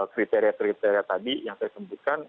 kriteria kriteria tadi yang saya sebutkan